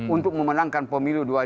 untuk memenangkan pemilu dua ribu dua puluh